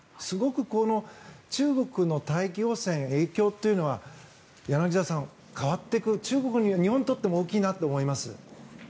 すごく中国の大気汚染の影響というのは柳澤さん、変わっていく中国や日本にとっても大きいと思います。